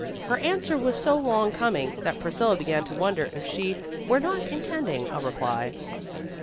Her answer was so long coming that Priscilla began to wonder if she were not intending to reply.